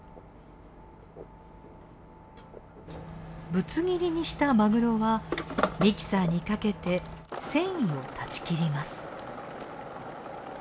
ぶつ切りにしたマグロはミキサーにかけて繊維を断ち切ります。